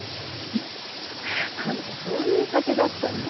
フッあんたそういう酒だったの？